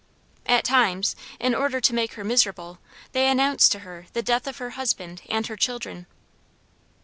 At times, in order to make her miserable, they announced to her the death of her husband and her children.